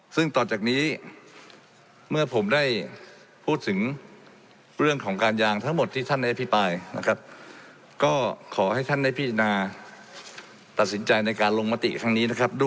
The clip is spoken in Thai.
ซึ่งต่อจากนี้